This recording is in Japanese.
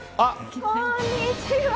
こんにちは。